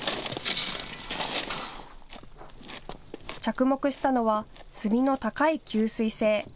着目したのは炭の高い吸水性。